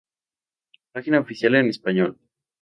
Página oficial en español